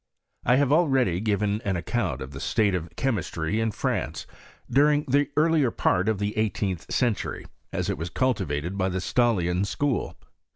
I HATE already given an account of the state of chanistry in France, during the earlier part of the eighteenth century, as it was cultivated by the Stahlian school.